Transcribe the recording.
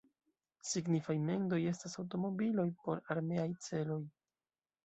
Signifaj mendoj estas aŭtomobiloj por armeaj celoj.